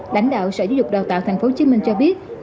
lãnh đạo sở giáo dục đào tạo tp hcm cho biết